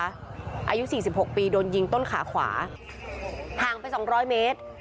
อายุ๔๖ปีโดนยิงต้นขาขวาห่างไปสองร้อยเมตร